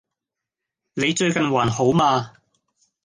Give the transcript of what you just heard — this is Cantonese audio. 你最近還好嗎